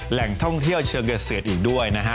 แหล่งท่องเที่ยวเชียวเกอร์เสือดอีกด้วย